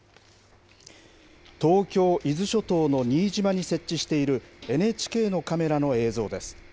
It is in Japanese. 東京・伊豆諸島の新島に設置している、ＮＨＫのカメラの映像です。